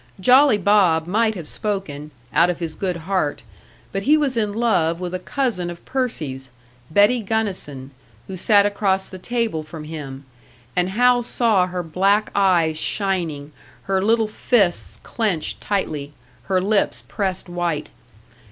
Jolly Bob might have spoken, out of his good heart; but he was in love with a cousin of Percy's, Betty Gunnison, who sat across the table from him and Hal saw her black eyes shining, her little fists clenched tightly, her lips pressed white.